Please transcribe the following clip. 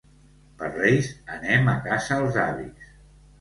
Per Reis anem a casa els avis.